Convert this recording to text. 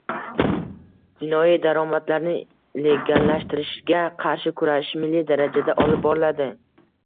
Jinoiy daromadlarni legallashtirishga qarshi kurashish milliy darajada olib boriladi